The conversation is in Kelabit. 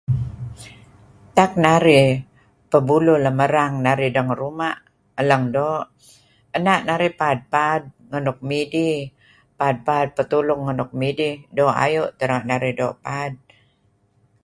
Tak narih pebuluh lem erang narih dengeruma' elang doo. Ena' narih paad-paad ngan nuk midih paad-paad petulung ngan nuk midih doo' ayu' teh renga' narih doo' paad.